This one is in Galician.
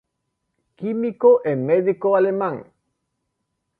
Químico e médico alemán.